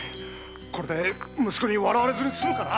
これで息子に笑われずに済むかな？